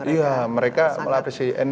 iya mereka sangat